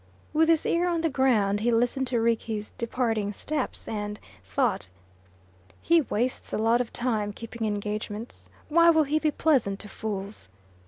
With his ear on the ground he listened to Rickie's departing steps, and thought, "He wastes a lot of time keeping engagements. Why will he be pleasant to fools?"